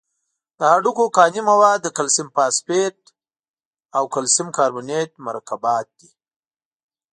د هډوکو کاني مواد د کلسیم فاسفیټ او کلسیم کاربونیت مرکبات دي.